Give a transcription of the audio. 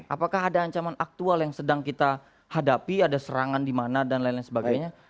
apakah ada ancaman aktual yang sedang kita hadapi ada serangan di mana dan lain lain sebagainya